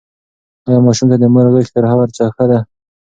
ایا ماشوم ته د مور غېږ تر هر څه ښه ده؟